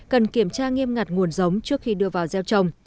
cần kiểm tra nghiêm ngặt nguồn giống trước khi đưa vào gieo trồng